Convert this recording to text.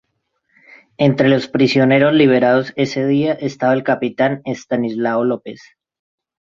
Entre los prisioneros liberados ese día estaba el capitán Estanislao López.